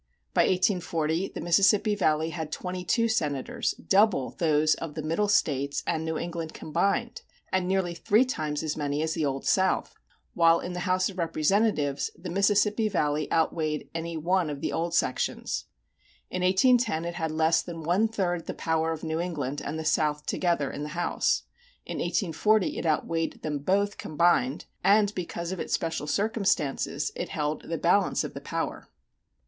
By 1840 the Mississippi Valley had twenty two senators, double those of the Middle States and New England combined, and nearly three times as many as the Old South; while in the House of Representatives the Mississippi Valley outweighed any one of the old sections. In 1810 it had less than one third the power of New England and the South together in the House. In 1840 it outweighed them both combined and because of its special circumstances it held the balance of power.